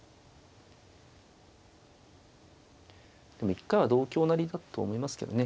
一回は同香成だと思いますけどね。